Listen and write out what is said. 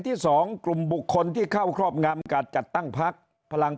ที่๒กลุ่มบุคคลที่เข้าครอบงำการจัดตั้งพักพลัง